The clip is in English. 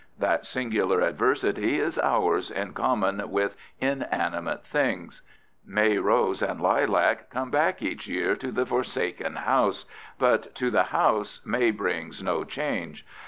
That singular adversity is ours in common with inanimate things: May rose and lilac come back each year to the forsaken house, but to the house May brings no change.